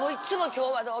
今日はどう？